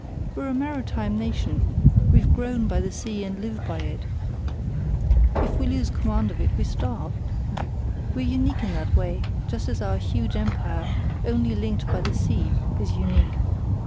We're a maritime nation—we've grown by the sea and live by it; if we lose command of it we starve. We're unique in that way, just as our huge empire, only linked by the sea, is unique.